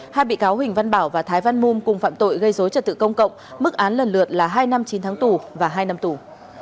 hai bị cáo huỳnh văn bảo và thái văn mum cùng phạm tội gây dối trật tự công cộng mức án lần lượt là hai năm chín tháng tù và hai năm tù